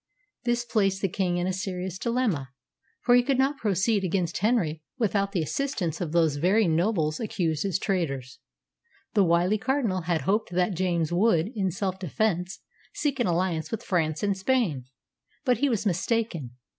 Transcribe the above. This placed the king in a serious dilemma, for he could not proceed against Henry without the assistance of those very nobles accused as traitors. The wily Cardinal had hoped that James would, in self defence, seek an alliance with France and Spain; but he was mistaken.